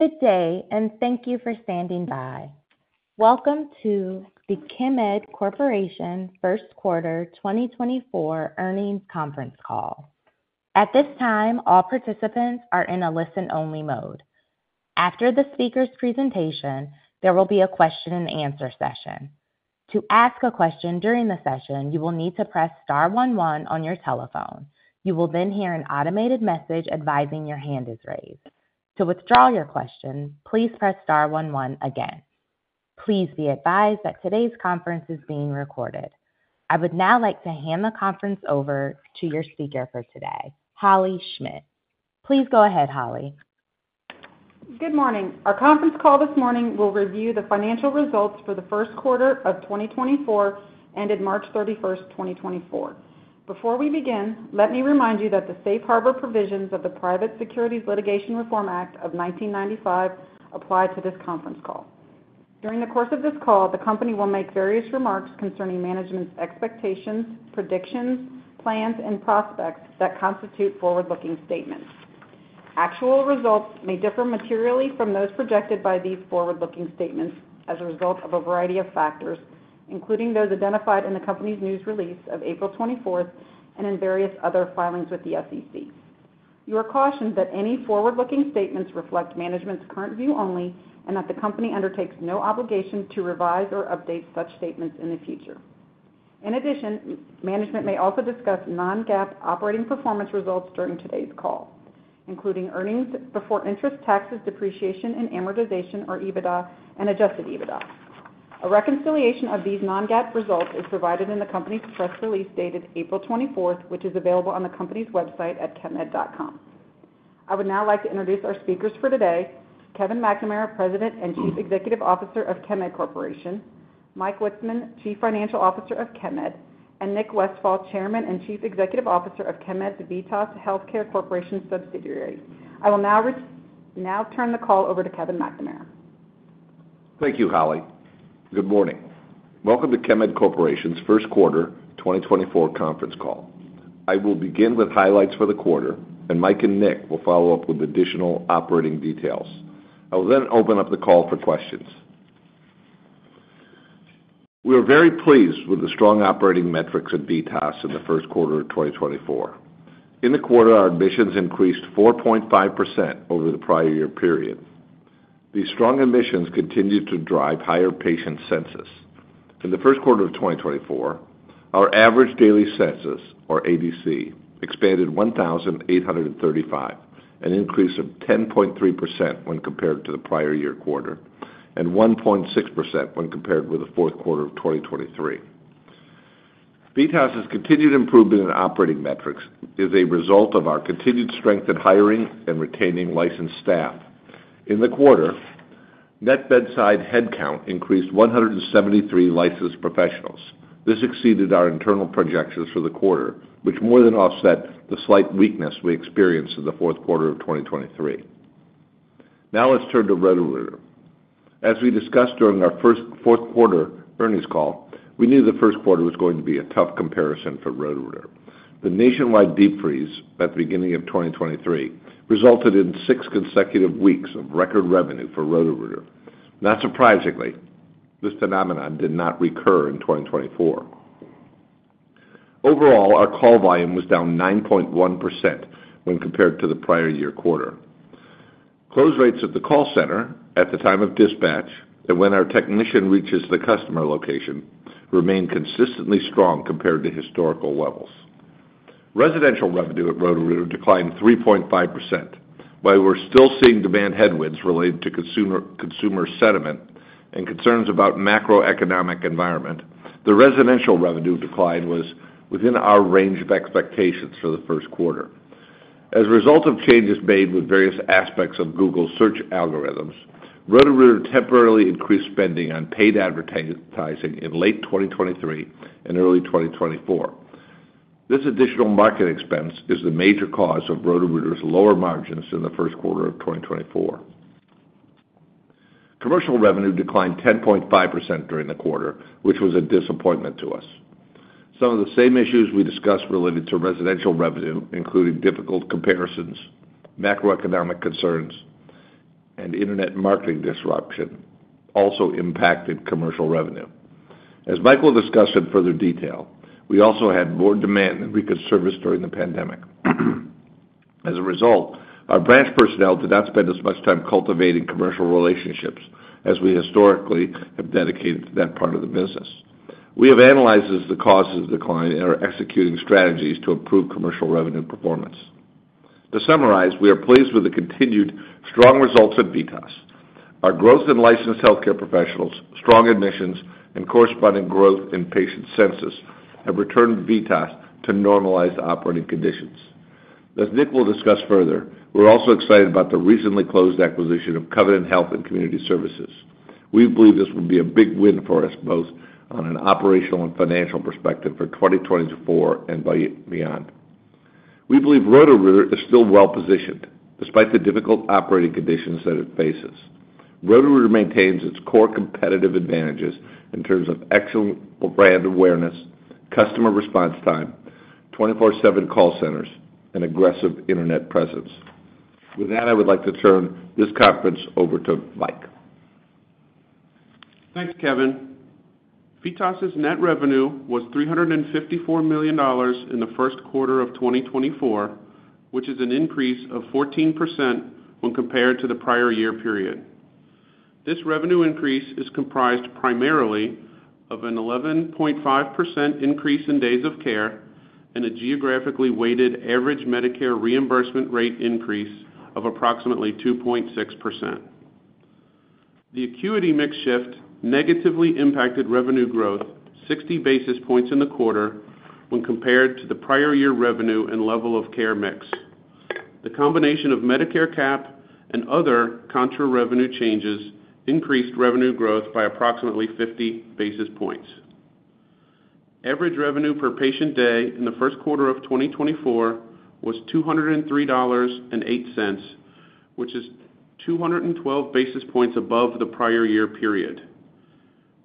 Good day, and thank you for standing by. Welcome to the Chemed Corporation First Quarter 2024 Earnings Conference Call. At this time, all participants are in a listen-only mode. After the speaker's presentation, there will be a question-and-answer session. To ask a question during the session, you will need to press star 11 on your telephone. You will then hear an automated message advising your hand is raised. To withdraw your question, please press star 11 again. Please be advised that today's conference is being recorded. I would now like to hand the conference over to your speaker for today, Holley Schmidt. Please go ahead, Holley. Good morning. Our conference call this morning will review the financial results for the first quarter of 2024 ended March 31, 2024. Before we begin, let me remind you that the Safe Harbor provisions of the Private Securities Litigation Reform Act of 1995 apply to this conference call. During the course of this call, the company will make various remarks concerning management's expectations, predictions, plans, and prospects that constitute forward-looking statements. Actual results may differ materially from those projected by these forward-looking statements as a result of a variety of factors, including those identified in the company's news release of April 24 and in various other filings with the SEC. You are cautioned that any forward-looking statements reflect management's current view only and that the company undertakes no obligation to revise or update such statements in the future. In addition, management may also discuss non-GAAP operating performance results during today's call, including earnings before interest, taxes, depreciation, and amortization, or EBITDA, and adjusted EBITDA. A reconciliation of these non-GAAP results is provided in the company's press release dated April 24, which is available on the company's website at chemed.com. I would now like to introduce our speakers for today: Kevin McNamara, President and Chief Executive Officer of Chemed Corporation; Mike Witzeman, Chief Financial Officer of Chemed; and Nick Westfall, Chairman and Chief Executive Officer of Chemed's VITAS Healthcare Corporation subsidiary. I will now turn the call over to Kevin McNamara. Thank you, Holley. Good morning. Welcome to Chemed Corporation's First Quarter 2024 Conference Call. I will begin with highlights for the quarter, and Mike and Nick will follow up with additional operating details. I will then open up the call for questions. We are very pleased with the strong operating metrics of VITAS in the first quarter of 2024. In the quarter, our admissions increased 4.5% over the prior year period. These strong admissions continue to drive higher patient census. In the first quarter of 2024, our average daily census, or ADC, expanded 1,835, an increase of 10.3% when compared to the prior year quarter and 1.6% when compared with the fourth quarter of 2023. VITAS's continued improvement in operating metrics is a result of our continued strength in hiring and retaining licensed staff. In the quarter, net bedside headcount increased 173 licensed professionals. This exceeded our internal projections for the quarter, which more than offset the slight weakness we experienced in the fourth quarter of 2023. Now let's turn to Roto-Rooter. As we discussed during our first fourth quarter earnings call, we knew the first quarter was going to be a tough comparison for Roto-Rooter. The nationwide deep freeze at the beginning of 2023 resulted in six consecutive weeks of record revenue for Roto-Rooter. Not surprisingly, this phenomenon did not recur in 2024. Overall, our call volume was down 9.1% when compared to the prior year quarter. Close rates at the call center at the time of dispatch and when our technician reaches the customer location remain consistently strong compared to historical levels. Residential revenue at Roto-Rooter declined 3.5%. While we're still seeing demand headwinds related to consumer sentiment and concerns about macroeconomic environment, the residential revenue decline was within our range of expectations for the first quarter. As a result of changes made with various aspects of Google's search algorithms, Roto-Rooter temporarily increased spending on paid advertising in late 2023 and early 2024. This additional marketing expense is the major cause of Roto-Rooter's lower margins in the first quarter of 2024. Commercial revenue declined 10.5% during the quarter, which was a disappointment to us. Some of the same issues we discussed related to residential revenue, including difficult comparisons, macroeconomic concerns, and internet marketing disruption, also impacted commercial revenue. As Mike will discuss in further detail, we also had more demand than we could service during the pandemic. As a result, our branch personnel did not spend as much time cultivating commercial relationships as we historically have dedicated to that part of the business. We have analyzed the causes of the decline and are executing strategies to improve commercial revenue performance. To summarize, we are pleased with the continued strong results of VITAS. Our growth in licensed healthcare professionals, strong admissions, and corresponding growth in patient census have returned VITAS to normalized operating conditions. As Nick will discuss further, we're also excited about the recently closed acquisition of Covenant Health and Community Services. We believe this will be a big win for us both on an operational and financial perspective for 2024 and beyond. We believe Roto-Rooter is still well-positioned despite the difficult operating conditions that it faces. Roto-Rooter maintains its core competitive advantages in terms of excellent brand awareness, customer response time, 24/7 call centers, and aggressive internet presence. With that, I would like to turn this conference over to Mike. Thanks, Kevin. VITAS's net revenue was $354 million in the first quarter of 2024, which is an increase of 14% when compared to the prior year period. This revenue increase is comprised primarily of an 11.5% increase in days of care and a geographically weighted average Medicare reimbursement rate increase of approximately 2.6%. The acuity mix shift negatively impacted revenue growth 60 basis points in the quarter when compared to the prior year revenue and level of care mix. The combination of Medicare cap and other contra-revenue changes increased revenue growth by approximately 50 basis points. Average revenue per patient day in the first quarter of 2024 was $203.08, which is 212 basis points above the prior year period.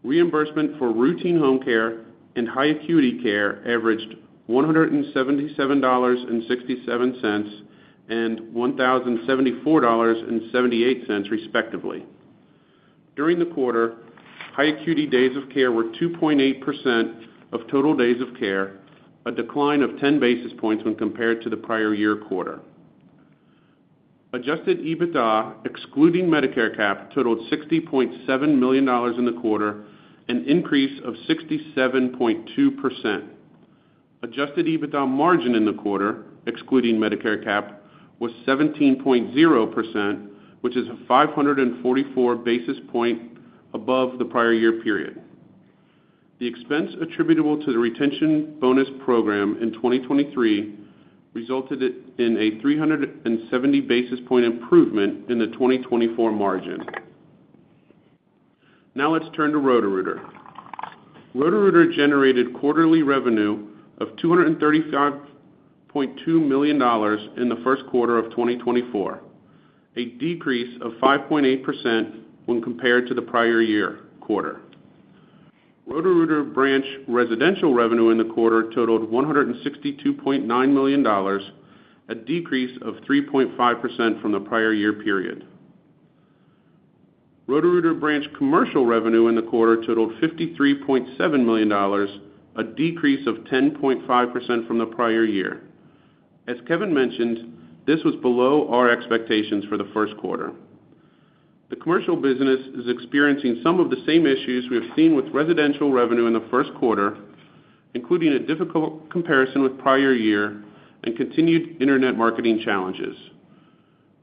Reimbursement for routine home care and high acuity care averaged $177.67 and $1,074.78, respectively. During the quarter, high acuity days of care were 2.8% of total days of care, a decline of 10 basis points when compared to the prior year quarter. Adjusted EBITDA excluding Medicare cap totaled $60.7 million in the quarter, an increase of 67.2%. Adjusted EBITDA margin in the quarter excluding Medicare cap was 17.0%, which is 544 basis points above the prior year period. The expense attributable to the retention bonus program in 2023 resulted in a 370 basis point improvement in the 2024 margin. Now let's turn to Roto-Rooter. Roto-Rooter generated quarterly revenue of $235.2 million in the first quarter of 2024, a decrease of 5.8% when compared to the prior year quarter. Roto-Rooter branch residential revenue in the quarter totaled $162.9 million, a decrease of 3.5% from the prior year period. Roto-Rooter branch commercial revenue in the quarter totaled $53.7 million, a decrease of 10.5% from the prior year. As Kevin mentioned, this was below our expectations for the first quarter. The commercial business is experiencing some of the same issues we have seen with residential revenue in the first quarter, including a difficult comparison with prior year and continued internet marketing challenges.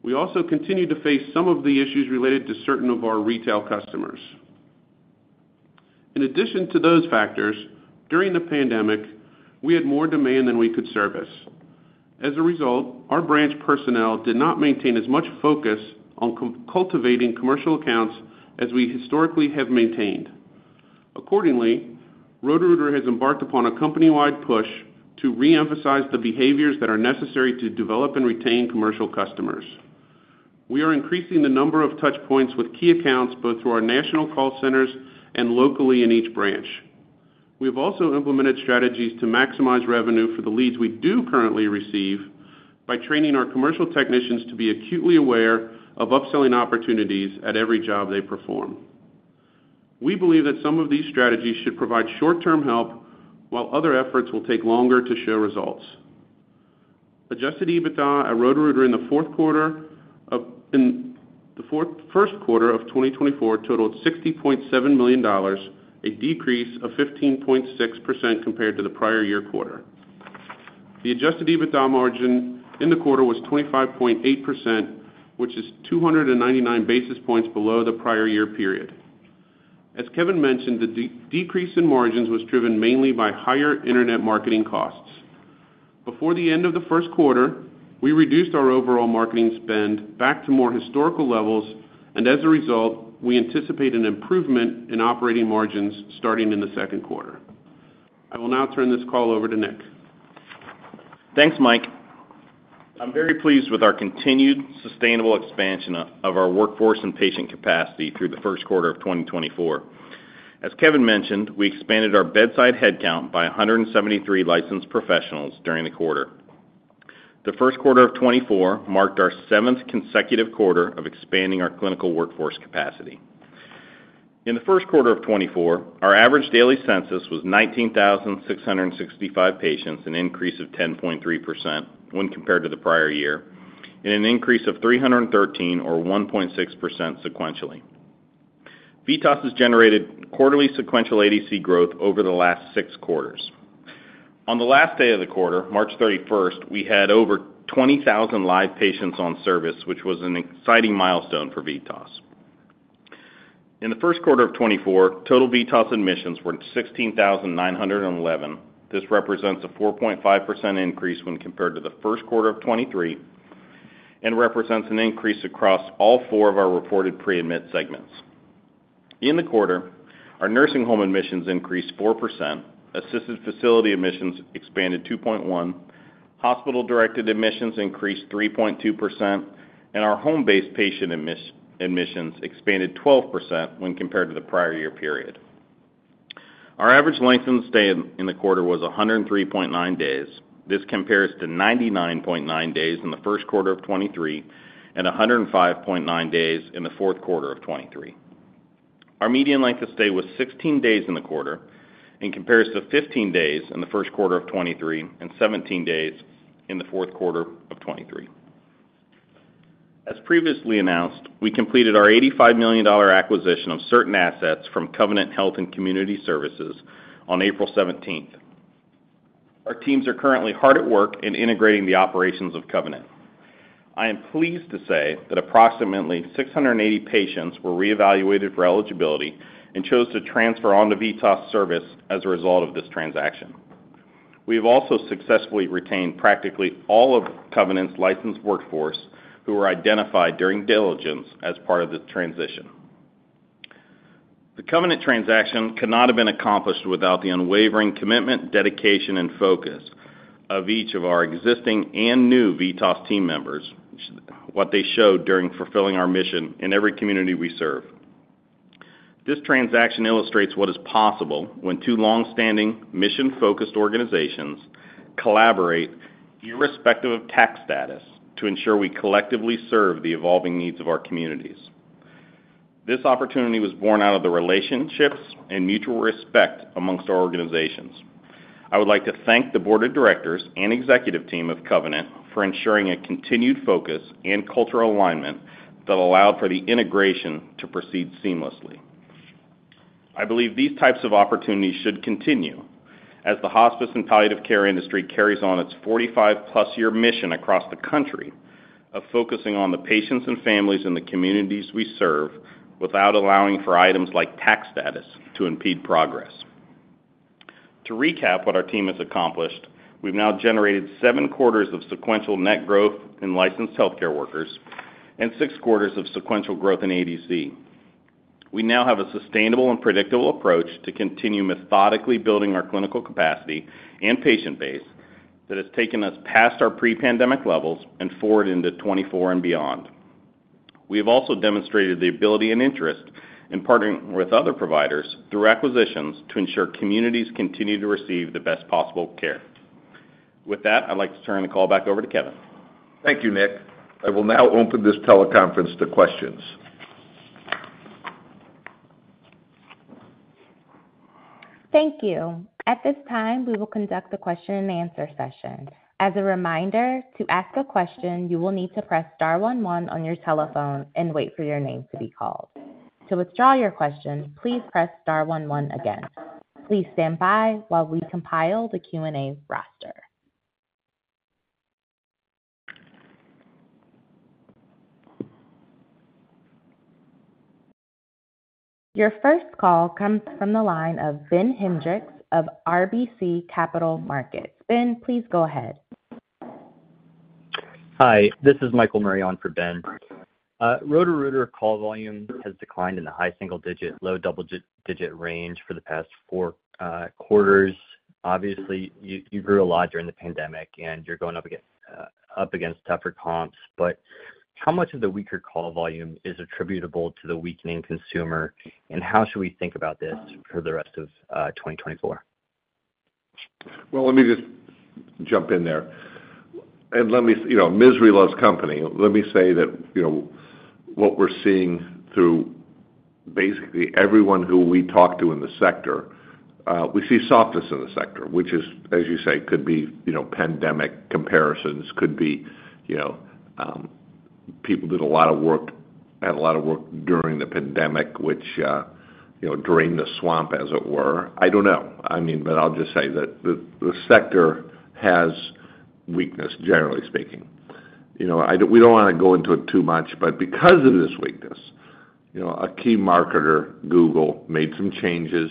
We also continue to face some of the issues related to certain of our retail customers. In addition to those factors, during the pandemic, we had more demand than we could service. As a result, our branch personnel did not maintain as much focus on cultivating commercial accounts as we historically have maintained. Accordingly, Roto-Rooter has embarked upon a company-wide push to reemphasize the behaviors that are necessary to develop and retain commercial customers. We are increasing the number of touch points with key accounts both through our national call centers and locally in each branch. We have also implemented strategies to maximize revenue for the leads we do currently receive by training our commercial technicians to be acutely aware of upselling opportunities at every job they perform. We believe that some of these strategies should provide short-term help while other efforts will take longer to show results. Adjusted EBITDA at Roto-Rooter in the first quarter of 2024 totaled $60.7 million, a decrease of 15.6% compared to the prior year quarter. The adjusted EBITDA margin in the quarter was 25.8%, which is 299 basis points below the prior year period. As Kevin mentioned, the decrease in margins was driven mainly by higher internet marketing costs. Before the end of the first quarter, we reduced our overall marketing spend back to more historical levels, and as a result, we anticipate an improvement in operating margins starting in the second quarter. I will now turn this call over to Nick. Thanks, Mike. I'm very pleased with our continued sustainable expansion of our workforce and patient capacity through the first quarter of 2024. As Kevin mentioned, we expanded our bedside headcount by 173 licensed professionals during the quarter. The first quarter of 2024 marked our seventh consecutive quarter of expanding our clinical workforce capacity. In the first quarter of 2024, our average daily census was 19,665 patients, an increase of 10.3% when compared to the prior year, and an increase of 313, or 1.6% sequentially. VITAS has generated quarterly sequential ADC growth over the last six quarters. On the last day of the quarter, March 31, we had over 20,000 live patients on service, which was an exciting milestone for VITAS. In the first quarter of 2024, total VITAS admissions were 16,911. This represents a 4.5% increase when compared to the first quarter of 2023 and represents an increase across all four of our reported pre-admit segments. In the quarter, our nursing home admissions increased 4%, assisted facility admissions expanded 2.1%, hospital-directed admissions increased 3.2%, and our home-based patient admissions expanded 12% when compared to the prior year period. Our average length of the stay in the quarter was 103.9 days. This compares to 99.9 days in the first quarter of 2023 and 105.9 days in the fourth quarter of 2023. Our median length of stay was 16 days in the quarter and compares to 15 days in the first quarter of 2023 and 17 days in the fourth quarter of 2023. As previously announced, we completed our $85 million acquisition of certain assets from Covenant Health and Community Services on April 17. Our teams are currently hard at work in integrating the operations of Covenant. I am pleased to say that approximately 680 patients were reevaluated for eligibility and chose to transfer onto VITAS service as a result of this transaction. We have also successfully retained practically all of Covenant's licensed workforce who were identified during diligence as part of this transition. The Covenant transaction cannot have been accomplished without the unwavering commitment, dedication, and focus of each of our existing and new VITAS team members, what they showed during fulfilling our mission in every community we serve. This transaction illustrates what is possible when two longstanding, mission-focused organizations collaborate, irrespective of tax status, to ensure we collectively serve the evolving needs of our communities. This opportunity was born out of the relationships and mutual respect amongst our organizations. I would like to thank the board of directors and executive team of Covenant for ensuring a continued focus and cultural alignment that allowed for the integration to proceed seamlessly. I believe these types of opportunities should continue as the hospice and palliative care industry carries on its 45-plus-year mission across the country of focusing on the patients and families in the communities we serve without allowing for items like tax status to impede progress. To recap what our team has accomplished, we've now generated seven quarters of sequential net growth in licensed healthcare workers and six quarters of sequential growth in ADC. We now have a sustainable and predictable approach to continue methodically building our clinical capacity and patient base that has taken us past our pre-pandemic levels and forward into 2024 and beyond. We have also demonstrated the ability and interest in partnering with other providers through acquisitions to ensure communities continue to receive the best possible care. With that, I'd like to turn the call back over to Kevin. Thank you, Nick. I will now open this teleconference to questions. Thank you. At this time, we will conduct the question-and-answer session. As a reminder, to ask a question, you will need to press star 11 on your telephone and wait for your name to be called. To withdraw your question, please press star 11 again. Please stand by while we compile the Q&A roster. Your first call comes from the line of Ben Hendrix of RBC Capital Markets. Ben, please go ahead. Hi. This is Michael Marion for Ben. Roto-Rooter call volume has declined in the high single-digit, low double-digit range for the past four quarters. Obviously, you grew a lot during the pandemic, and you're going up against tougher comps. But how much of the weaker call volume is attributable to the weakening consumer, and how should we think about this for the rest of 2024? Well, let me just jump in there. And misery loves company. Let me say that what we're seeing through basically everyone who we talk to in the sector, we see softness in the sector, which is, as you say, could be pandemic comparisons, could be people that had a lot of work during the pandemic, which drained the swamp, as it were. I don't know. I mean, but I'll just say that the sector has weakness, generally speaking. We don't want to go into it too much, but because of this weakness, a key marketer, Google, made some changes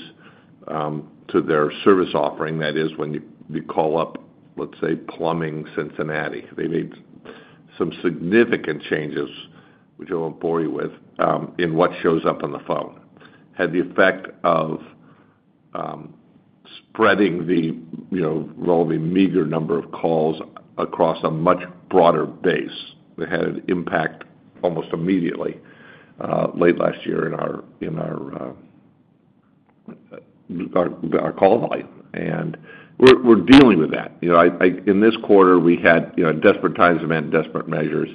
to their service offering. That is, when you call up, let's say, Plumbing Cincinnati, they made some significant changes, which I won't bore you with, in what shows up on the phone. Had the effect of spreading the relatively meager number of calls across a much broader base. It had an impact almost immediately late last year in our call volume. We're dealing with that. In this quarter, we had desperate times have meant desperate measures.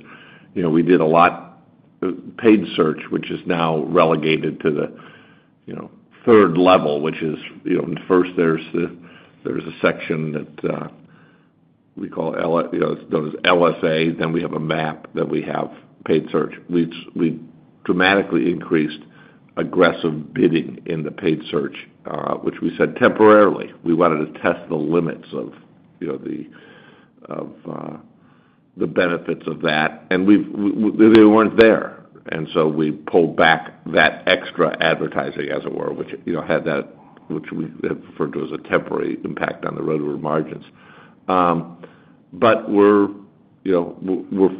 We did a lot of paid search, which is now relegated to the third level, which is first, there's a section that we call it's known as LSA. Then we have a map that we have paid search. We dramatically increased aggressive bidding in the paid search, which we said temporarily. We wanted to test the limits of the benefits of that. And they weren't there. And so we pulled back that extra advertising, as it were, which had that which we referred to as a temporary impact on the Roto-Rooter margins. But we're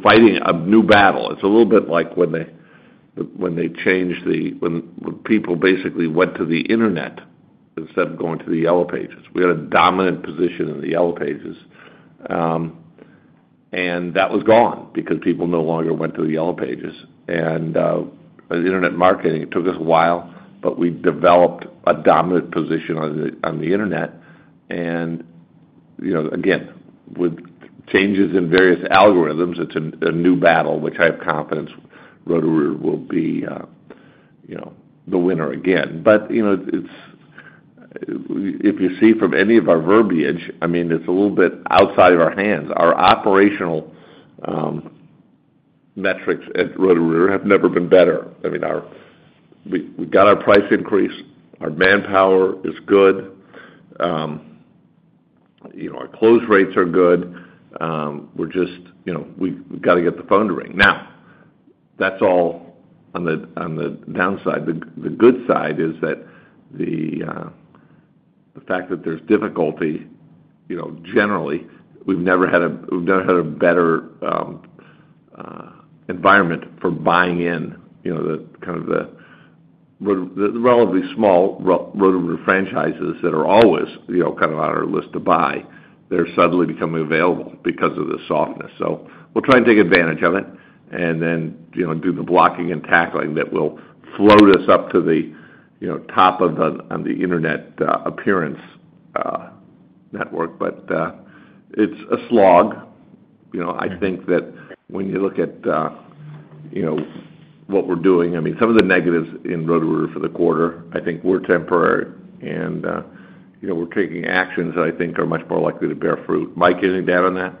fighting a new battle. It's a little bit like when they changed when people basically went to the internet instead of going to the Yellow Pages. We had a dominant position in the Yellow Pages, and that was gone because people no longer went to the Yellow Pages. And internet marketing, it took us a while, but we developed a dominant position on the internet. And again, with changes in various algorithms, it's a new battle, which I have confidence Roto-Rooter will be the winner again. But if you see from any of our verbiage, I mean, it's a little bit outside of our hands. Our operational metrics at Roto-Rooter have never been better. I mean, we got our price increase. Our manpower is good. Our close rates are good. We're just – we've got to get the phone to ring. Now, that's all on the downside. The good side is that the fact that there's difficulty, generally, we've never had a better environment for buying in the kind of the relatively small Roto-Rooter franchises that are always kind of on our list to buy; they're suddenly becoming available because of the softness. So we'll try and take advantage of it and then do the blocking and tackling that will float us up to the top on the internet appearance network. But it's a slog. I think that when you look at what we're doing, I mean, some of the negatives in Roto-Rooter for the quarter, I think they're temporary, and we're taking actions that I think are much more likely to bear fruit. Mike, any data on that?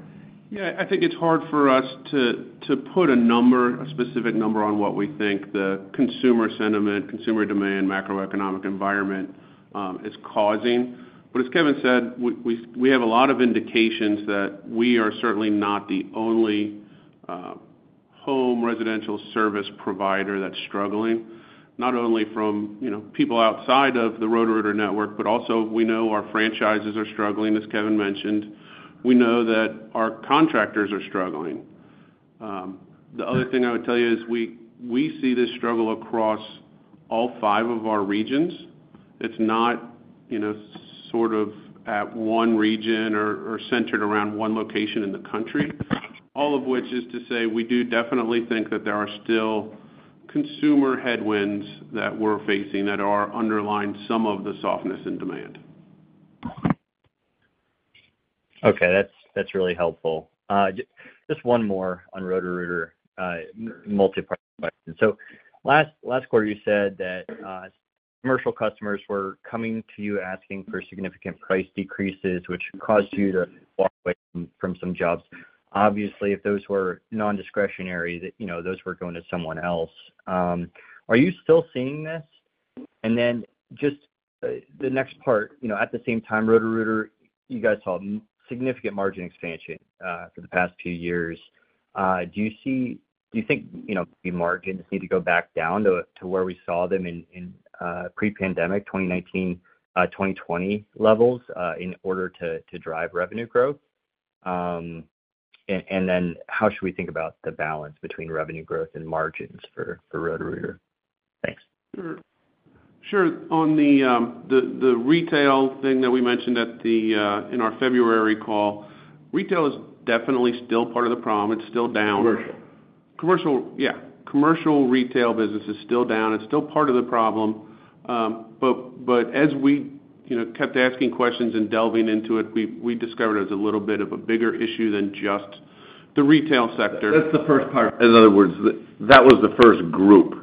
Yeah. I think it's hard for us to put a number, a specific number on what we think the consumer sentiment, consumer demand, macroeconomic environment is causing. But as Kevin said, we have a lot of indications that we are certainly not the only home residential service provider that's struggling, not only from people outside of the Roto-Rooter network, but also we know our franchises are struggling, as Kevin mentioned. We know that our contractors are struggling. The other thing I would tell you is we see this struggle across all five of our regions. It's not sort of at one region or centered around one location in the country, all of which is to say we do definitely think that there are still consumer headwinds that we're facing that are underlying some of the softness in demand. Okay. That's really helpful. Just one more on Roto-Rooter multi-part question. So last quarter, you said that commercial customers were coming to you asking for significant price decreases, which caused you to walk away from some jobs. Obviously, if those were nondiscretionary, those were going to someone else. Are you still seeing this? And then just the next part, at the same time, Roto-Rooter, you guys saw significant margin expansion for the past few years. Do you think the margins need to go back down to where we saw them in pre-pandemic, 2019, 2020 levels in order to drive revenue growth? And then how should we think about the balance between revenue growth and margins for Roto-Rooter? Thanks. Sure. On the retail thing that we mentioned in our February call, retail is definitely still part of the problem. It's still down. Commercial, yeah. Commercial retail business is still down. It's still part of the problem. But as we kept asking questions and delving into it, we discovered it was a little bit of a bigger issue than just the retail sector. That's the first part. In other words, that was the first group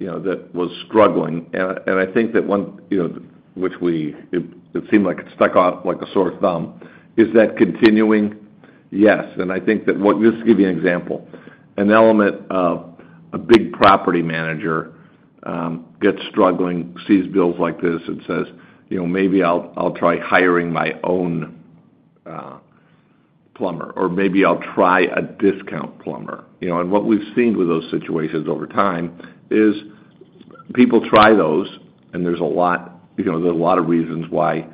that was struggling. I think that one which it seemed like it stuck out like a sore thumb is that continuing, yes. I think that what just to give you an example, an element of a big property manager gets struggling, sees bills like this, and says, "Maybe I'll try hiring my own plumber," or, "Maybe I'll try a discount plumber." What we've seen with those situations over time is people try those, and there's a lot of reasons why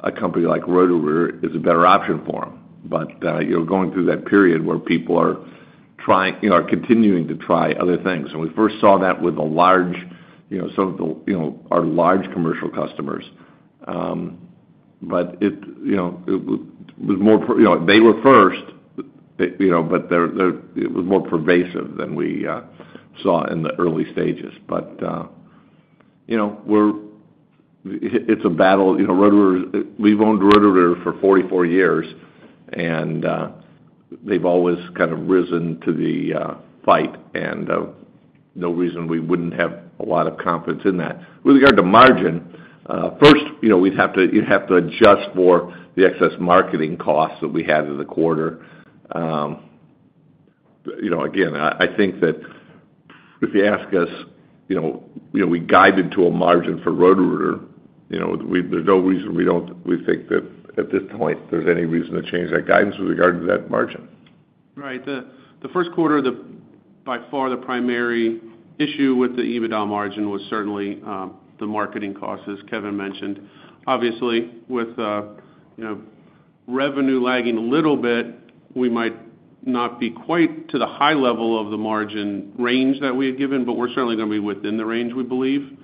a company like Roto-Rooter is a better option for them. But you're going through that period where people are continuing to try other things. We first saw that with some of our large commercial customers. But it was more they were first, but it was more pervasive than we saw in the early stages. But it's a battle. Roto-Rooter we've owned Roto-Rooter for 44 years, and they've always kind of risen to the fight, and no reason we wouldn't have a lot of confidence in that. With regard to margin, first, we'd have to you'd have to adjust for the excess marketing costs that we had in the quarter. Again, I think that if you ask us we guided to a margin for Roto-Rooter. There's no reason we don't we think that at this point, there's any reason to change that guidance with regard to that margin. Right. The first quarter, by far, the primary issue with the EBITDA margin was certainly the marketing costs, as Kevin mentioned. Obviously, with revenue lagging a little bit, we might not be quite to the high level of the margin range that we had given, but we're certainly going to be within the range, we believe,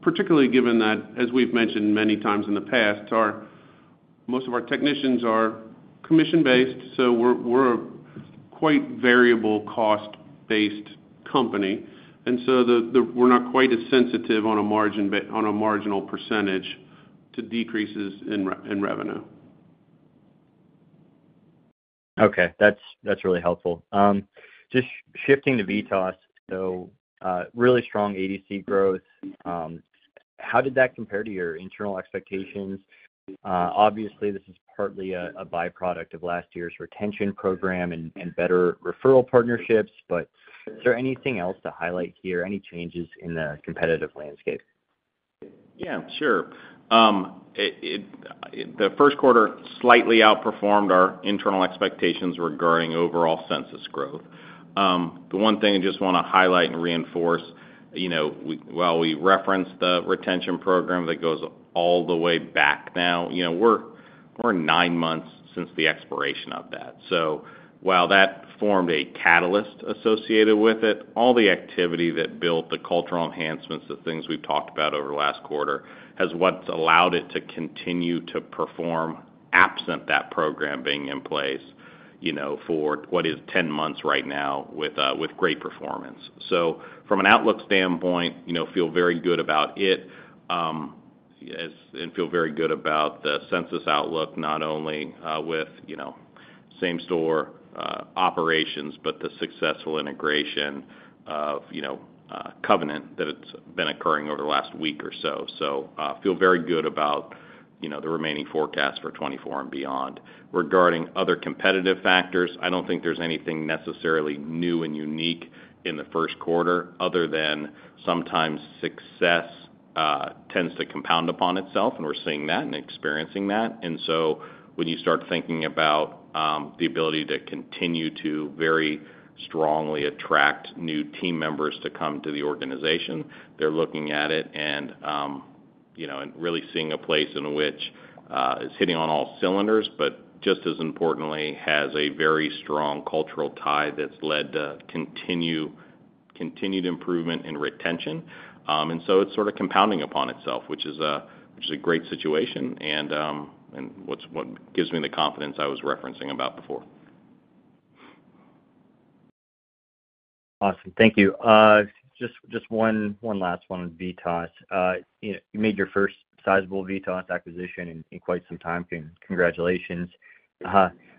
particularly given that, as we've mentioned many times in the past, most of our technicians are commission-based. So we're a quite variable, cost-based company. And so we're not quite as sensitive on a marginal percentage to decreases in revenue. Okay. That's really helpful. Just shifting to VITAS, so really strong ADC growth. How did that compare to your internal expectations? Obviously, this is partly a byproduct of last year's retention program and better referral partnerships. But is there anything else to highlight here, any changes in the competitive landscape? Yeah. Sure. The first quarter slightly outperformed our internal expectations regarding overall census growth. The one thing I just want to highlight and reinforce, while we reference the retention program that goes all the way back now, we're nine months since the expiration of that. So while that formed a catalyst associated with it, all the activity that built the cultural enhancements, the things we've talked about over the last quarter, has what's allowed it to continue to perform absent that program being in place for what is 10 months right now with great performance. So from an outlook standpoint, feel very good about it and feel very good about the census outlook, not only with same-store operations but the successful integration of Covenant that it's been occurring over the last week or so. So feel very good about the remaining forecast for 2024 and beyond. Regarding other competitive factors, I don't think there's anything necessarily new and unique in the first quarter other than sometimes success tends to compound upon itself, and we're seeing that and experiencing that. And so when you start thinking about the ability to continue to very strongly attract new team members to come to the organization, they're looking at it and really seeing a place in which it's hitting on all cylinders but just as importantly has a very strong cultural tie that's led to continued improvement in retention. And so it's sort of compounding upon itself, which is a great situation and what gives me the confidence I was referencing about before. Awesome. Thank you. Just one last one on VITAS. You made your first sizable VITAS acquisition in quite some time. Congratulations.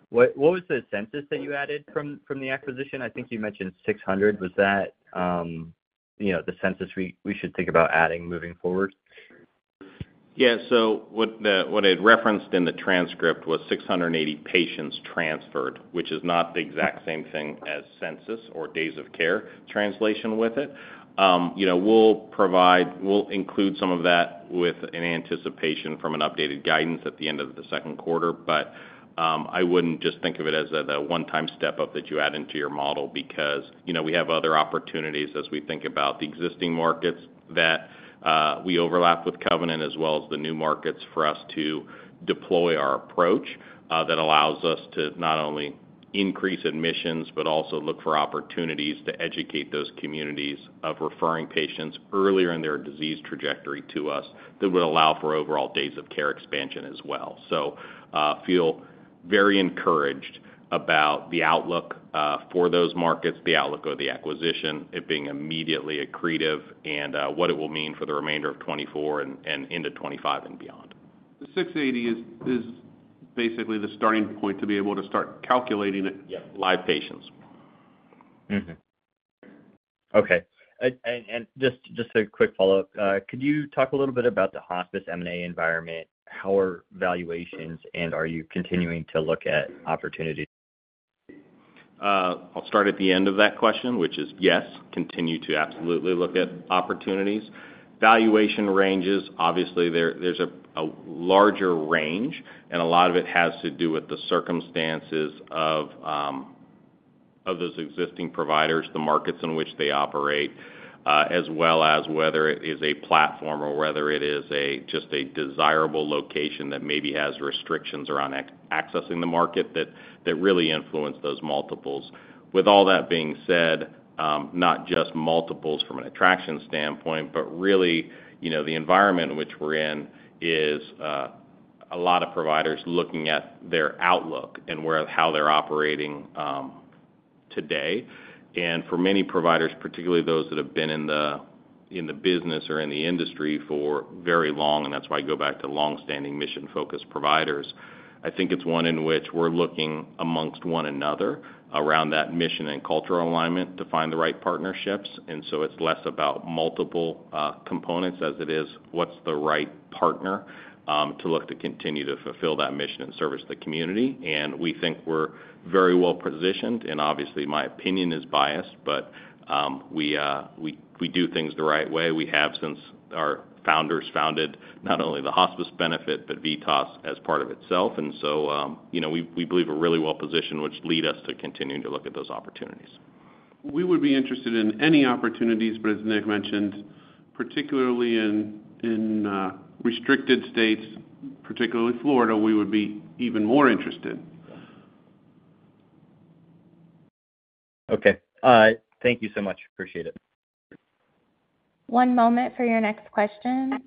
What was the census that you added from the acquisition? I think you mentioned 600. Was that the census we should think about adding moving forward? Yeah. So what it referenced in the transcript was 680 patients transferred, which is not the exact same thing as census or days of care translation with it. We'll include some of that with an anticipation from an updated guidance at the end of the second quarter. But I wouldn't just think of it as a one-time step-up that you add into your model because we have other opportunities as we think about the existing markets that we overlap with Covenant as well as the new markets for us to deploy our approach that allows us to not only increase admissions but also look for opportunities to educate those communities of referring patients earlier in their disease trajectory to us that would allow for overall days of care expansion as well. So feel very encouraged about the outlook for those markets, the outlook of the acquisition, it being immediately accretive, and what it will mean for the remainder of 2024 and into 2025 and beyond. The 680 is basically the starting point to be able to start calculating it. Live patients. Okay. Just a quick follow-up, could you talk a little bit about the hospice M&A environment? How are valuations, and are you continuing to look at opportunities? I'll start at the end of that question, which is, yes, continue to absolutely look at opportunities. Valuation ranges, obviously, there's a larger range, and a lot of it has to do with the circumstances of those existing providers, the markets in which they operate, as well as whether it is a platform or whether it is just a desirable location that maybe has restrictions around accessing the market that really influence those multiples. With all that being said, not just multiples from an attraction standpoint but really the environment in which we're in is a lot of providers looking at their outlook and how they're operating today. For many providers, particularly those that have been in the business or in the industry for very long, and that's why I go back to longstanding mission-focused providers, I think it's one in which we're looking amongst one another around that mission and cultural alignment to find the right partnerships. So it's less about multiple components as it is what's the right partner to look to continue to fulfill that mission and service the community. And we think we're very well positioned. And obviously, my opinion is biased, but we do things the right way. We have, since our founders founded not only the hospice benefit but VITAS as part of itself. So we believe we're really well positioned, which lead us to continue to look at those opportunities. We would be interested in any opportunities, but as Nick mentioned, particularly in restricted states, particularly Florida, we would be even more interested. Okay. Thank you so much. Appreciate it. One moment for your next question.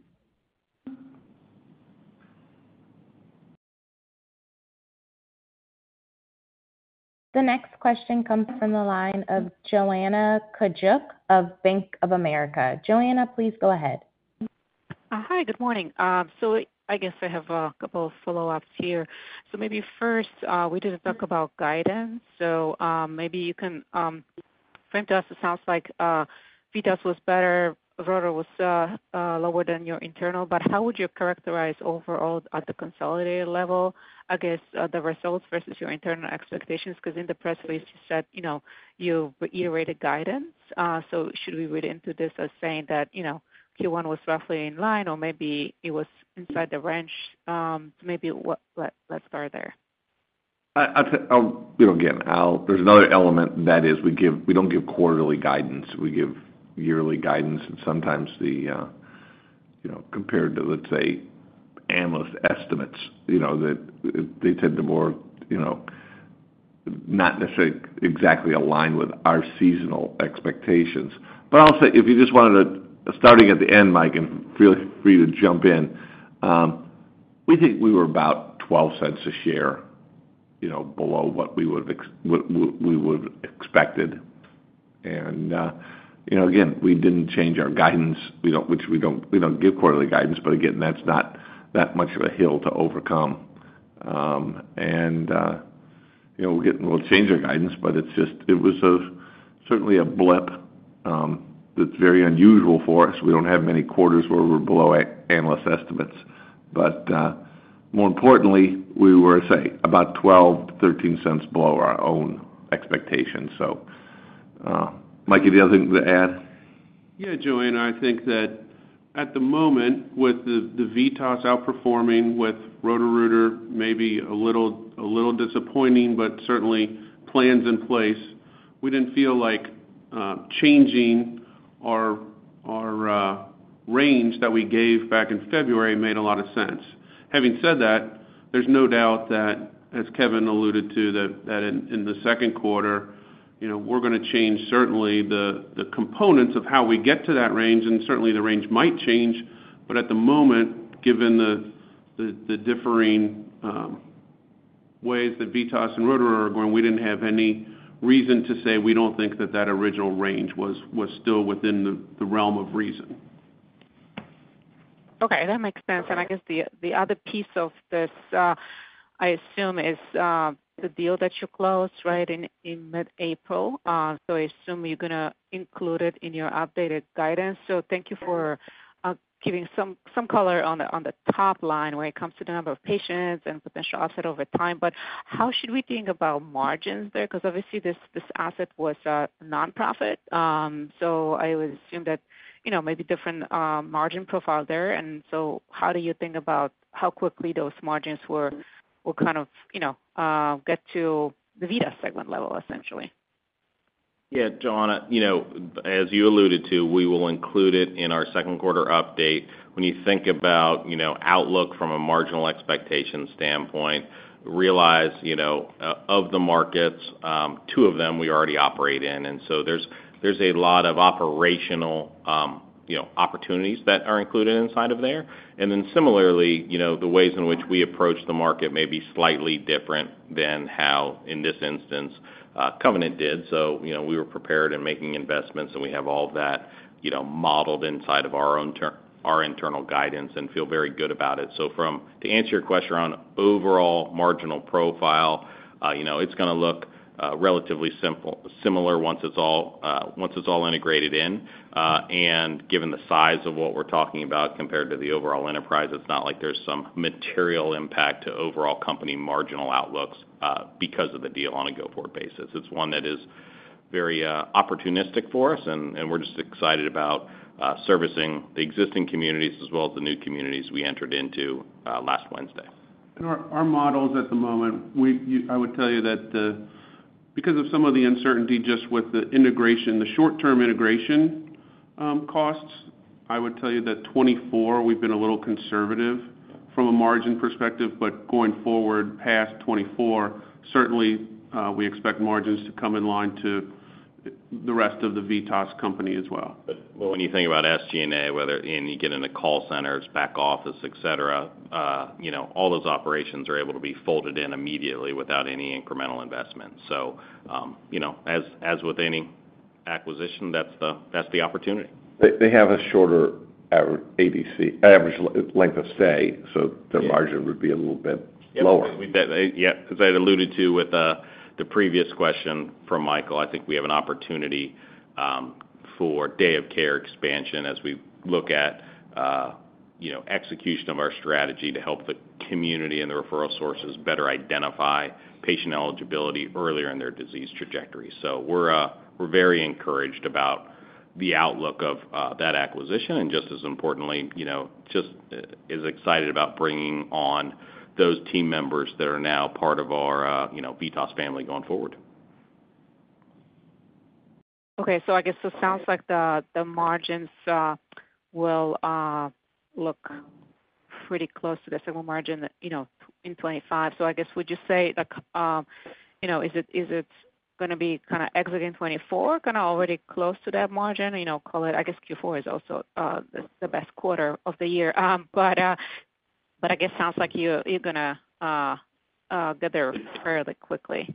The next question comes from the line of Joanna Gajuk of Bank of America. Joanna, please go ahead. Hi. Good morning. So I guess I have a couple of follow-ups here. So maybe first, we didn't talk about guidance. So maybe you can frame to us. It sounds like VITAS was better. Roto-Rooter was lower than your internal. But how would you characterize overall at the consolidated level, I guess, the results versus your internal expectations? Because in the press release, you said you reiterated guidance. So should we read into this as saying that Q1 was roughly in line or maybe it was inside the range? So maybe let's start there. I'll do it again. There's another element that is we don't give quarterly guidance. We give yearly guidance. Sometimes, compared to, let's say, analyst estimates, they tend to be more not necessarily exactly aligned with our seasonal expectations. But I'll say if you just wanted to starting at the end, Mike, and feel free to jump in, we think we were about $0.12 a share below what we would have expected. Again, we didn't change our guidance, which we don't give quarterly guidance. But again, that's not that much of a hill to overcome. We'll change our guidance, but it was certainly a blip that's very unusual for us. We don't have many quarters where we're below analyst estimates. But more importantly, we were, say, about $0.12-$0.13 below our own expectations. So Mike, any other thing to add? Yeah, Joanna. I think that at the moment, with the VITAS outperforming with Roto-Rooter, maybe a little disappointing but certainly plans in place, we didn't feel like changing our range that we gave back in February made a lot of sense. Having said that, there's no doubt that, as Kevin alluded to, that in the second quarter, we're going to change certainly the components of how we get to that range. And certainly, the range might change. But at the moment, given the differing ways that VITAS and Roto-Rooter are going, we didn't have any reason to say we don't think that that original range was still within the realm of reason. Okay. That makes sense. And I guess the other piece of this, I assume, is the deal that you closed, right, in mid-April. So I assume you're going to include it in your updated guidance. So thank you for giving some color on the top line when it comes to the number of patients and potential asset over time. But how should we think about margins there? Because obviously, this asset was nonprofit. So I would assume that maybe different margin profile there. And so how do you think about how quickly those margins will kind of get to the VITAS segment level, essentially? Yeah. Joanna, as you alluded to, we will include it in our second quarter update. When you think about outlook from a marginal expectation standpoint, realize of the markets, two of them we already operate in. And so there's a lot of operational opportunities that are included inside of there. And then similarly, the ways in which we approach the market may be slightly different than how, in this instance, Covenant did. So we were prepared and making investments, and we have all of that modeled inside of our own internal guidance and feel very good about it. So to answer your question around overall marginal profile, it's going to look relatively similar once it's all integrated in. Given the size of what we're talking about compared to the overall enterprise, it's not like there's some material impact to overall company marginal outlooks because of the deal on a go-forward basis. It's one that is very opportunistic for us, and we're just excited about servicing the existing communities as well as the new communities we entered into last Wednesday. In our models at the moment, I would tell you that because of some of the uncertainty just with the short-term integration costs, I would tell you that 2024, we've been a little conservative from a margin perspective. But going forward, past 2024, certainly, we expect margins to come in line to the rest of the VITAS company as well. When you think about SG&A, whether you get into call centers, back office, etc., all those operations are able to be folded in immediately without any incremental investment. As with any acquisition, that's the opportunity. They have a shorter average length of stay, so their margin would be a little bit lower. Yeah. As I alluded to with the previous question from Michael, I think we have an opportunity for day-of-care expansion as we look at execution of our strategy to help the community and the referral sources better identify patient eligibility earlier in their disease trajectory. So we're very encouraged about the outlook of that acquisition. And just as importantly, just as excited about bringing on those team members that are now part of our VITAS family going forward. Okay. So I guess it sounds like the margins will look pretty close to the single margin in 2025. So I guess would you say is it going to be kind of exit in 2024, kind of already close to that margin? Call it I guess Q4 is also the best quarter of the year. But I guess it sounds like you're going to get there fairly quickly.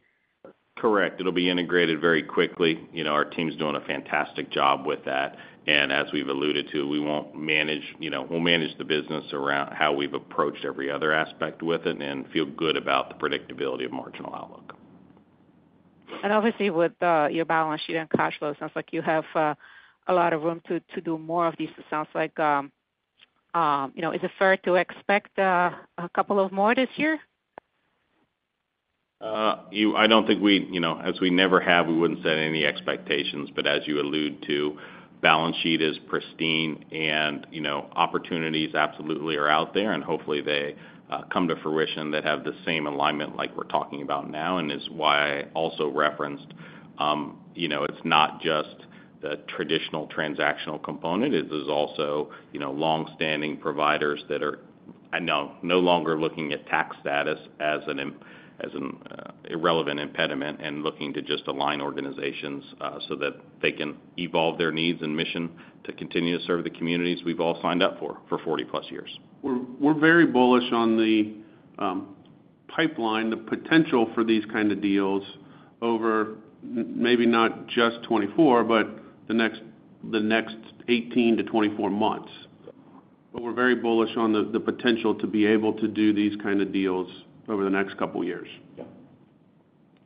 Correct. It'll be integrated very quickly. Our team's doing a fantastic job with that. As we've alluded to, we'll manage the business around how we've approached every other aspect with it and feel good about the predictability of marginal outlook. And obviously, with your balance sheet and cash flow, it sounds like you have a lot of room to do more of these. It sounds like, is it fair to expect a couple of more this year? I don't think we, as we never have, we wouldn't set any expectations. But as you alluded to, balance sheet is pristine, and opportunities absolutely are out there. And hopefully, they come to fruition that have the same alignment like we're talking about now. And is why I also referenced it's not just the traditional transactional component. It is also longstanding providers that are no longer looking at tax status as an irrelevant impediment and looking to just align organizations so that they can evolve their needs and mission to continue to serve the communities we've all signed up for 40+ years. We're very bullish on the pipeline, the potential for these kind of deals over maybe not just 2024 but the next 18-24 months. But we're very bullish on the potential to be able to do these kind of deals over the next couple of years.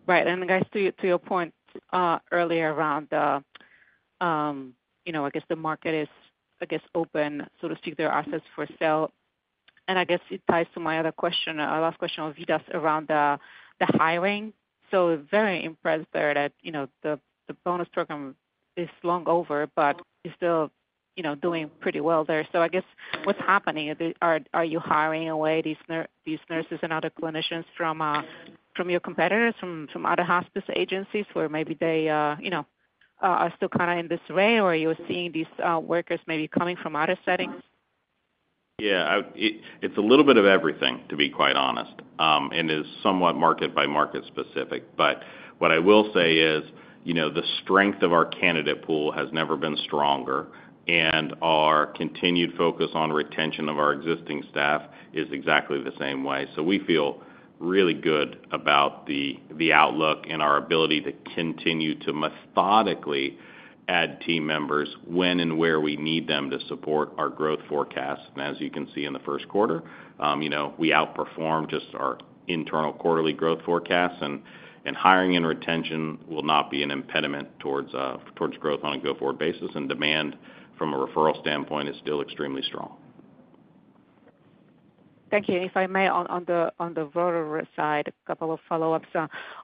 Right. And I guess to your point earlier around the, I guess, market is, I guess, open, so to speak, their assets for sale. And I guess it ties to my other question, our last question on VITAS around the hiring. So very impressed there that the bonus program is long over, but you're still doing pretty well there. So I guess what's happening, are you hiring away these nurses and other clinicians from your competitors, from other hospice agencies where maybe they are still kind of in this area, or are you seeing these workers maybe coming from other settings? Yeah. It's a little bit of everything, to be quite honest, and is somewhat market-by-market specific. What I will say is the strength of our candidate pool has never been stronger. Our continued focus on retention of our existing staff is exactly the same way. We feel really good about the outlook and our ability to continue to methodically add team members when and where we need them to support our growth forecasts. As you can see in the first quarter, we outperform just our internal quarterly growth forecasts. Hiring and retention will not be an impediment towards growth on a go-forward basis. Demand from a referral standpoint is still extremely strong. Thank you. If I may, on the Roto-Rooter side, a couple of follow-ups.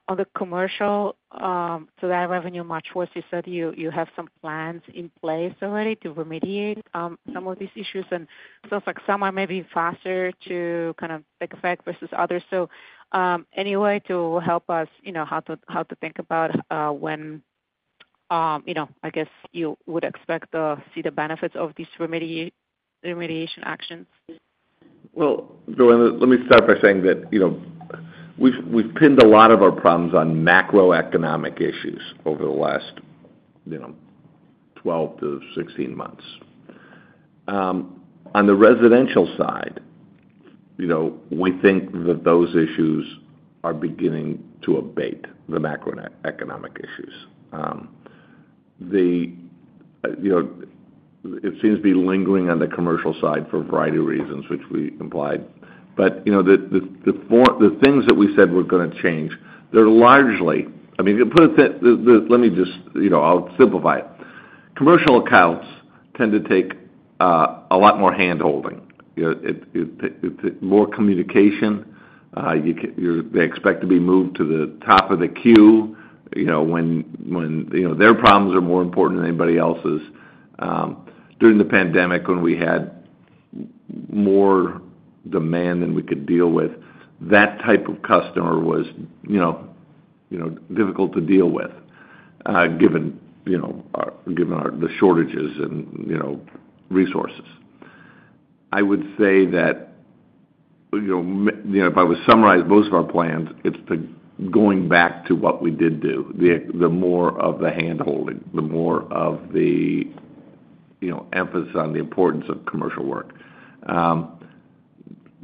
On the commercial, so that revenue forecast, you said you have some plans in place already to remediate some of these issues. And it sounds like some are maybe faster to kind of take effect versus others. So any way to help us how to think about when I guess you would expect to see the benefits of these remediation actions? Well, Joanna, let me start by saying that we've pinned a lot of our problems on macroeconomic issues over the last 12-16 months. On the residential side, we think that those issues are beginning to abate the macroeconomic issues. It seems to be lingering on the commercial side for a variety of reasons, which we implied. But the things that we said were going to change, they're largely I mean, let me just I'll simplify it. Commercial accounts tend to take a lot more handholding. It's more communication. They expect to be moved to the top of the queue when their problems are more important than anybody else's. During the pandemic, when we had more demand than we could deal with, that type of customer was difficult to deal with given the shortages and resources. I would say that if I was to summarize most of our plans, it's going back to what we did do, the more of the handholding, the more of the emphasis on the importance of commercial work.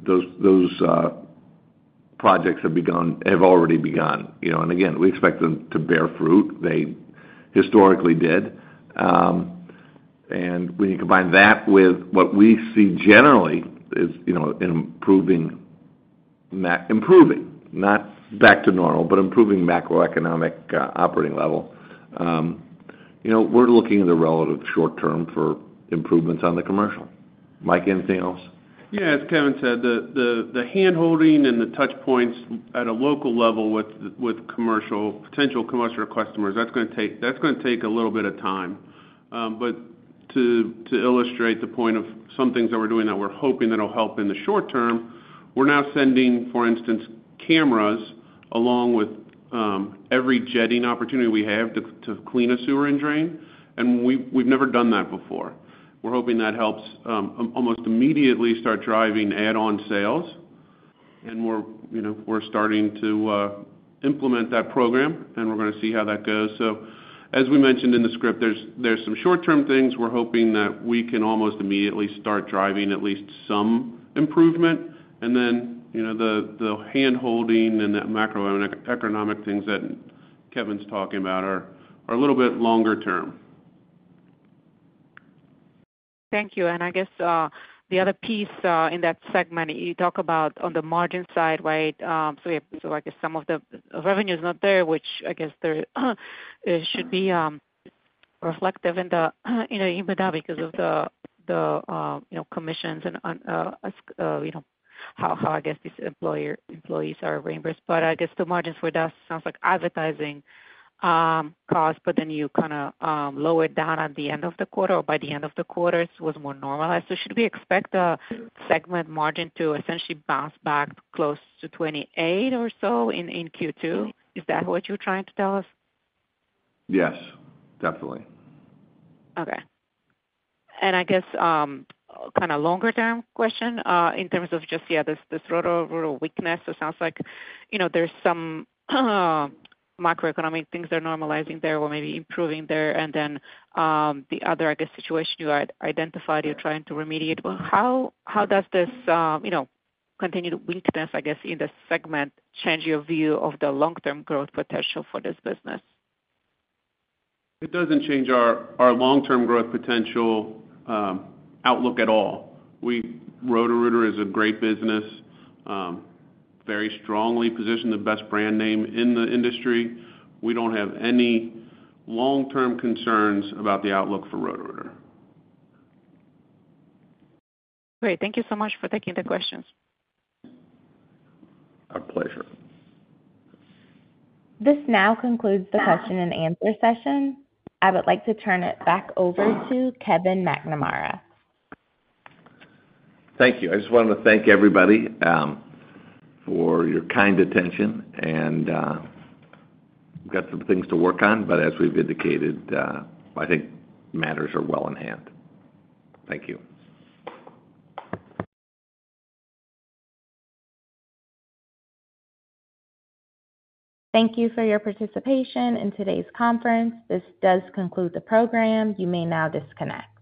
Those projects have already begun. And again, we expect them to bear fruit. They historically did. And when you combine that with what we see generally is improving, not back to normal, but improving macroeconomic operating level, we're looking in the relative short term for improvements on the commercial. Mike, anything else? Yeah. As Kevin said, the handholding and the touchpoints at a local level with potential commercial customers, that's going to take a little bit of time. But to illustrate the point of some things that we're doing that we're hoping that'll help in the short term, we're now sending, for instance, cameras along with every jetting opportunity we have to clean a sewer and drain. And we've never done that before. We're hoping that helps almost immediately start driving add-on sales. And we're starting to implement that program, and we're going to see how that goes. So as we mentioned in the script, there's some short-term things. We're hoping that we can almost immediately start driving at least some improvement. And then the handholding and that macroeconomic things that Kevin's talking about are a little bit longer term. Thank you. And I guess the other piece in that segment, you talk about on the margin side, right? So I guess some of the revenue's not there, which I guess should be reflective in the EBITDA because of the commissions and how, I guess, these employees are reimbursed. But I guess the margins for us sounds like advertising costs, but then you kind of lower it down at the end of the quarter or by the end of the quarter. It was more normalized. So should we expect the segment margin to essentially bounce back close to 28 or so in Q2? Is that what you're trying to tell us? Yes. Definitely. Okay. And I guess kind of longer-term question in terms of just, yeah, this Roto-Rooter weakness. So it sounds like there's some macroeconomic things that are normalizing there or maybe improving there. And then the other, I guess, situation you identified, you're trying to remediate. Well, how does this continued weakness, I guess, in the segment change your view of the long-term growth potential for this business? It doesn't change our long-term growth potential outlook at all. Roto-Rooter is a great business, very strongly positioned, the best brand name in the industry. We don't have any long-term concerns about the outlook for Roto-Rooter. Great. Thank you so much for taking the questions. Our pleasure. This now concludes the question-and-answer session. I would like to turn it back over to Kevin McNamara. Thank you. I just wanted to thank everybody for your kind attention. We've got some things to work on. As we've indicated, I think matters are well in hand. Thank you. Thank you for your participation in today's conference. This does conclude the program. You may now disconnect.